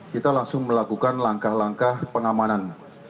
kita langsung melakukan langkah langkah pengamanan